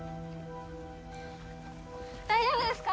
大丈夫ですか？